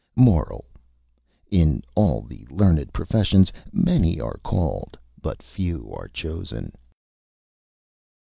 MORAL: _In all the Learned Professions, Many are Called but Few are Chosen.